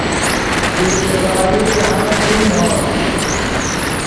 بی اعتباری جاہند شوم ہورغ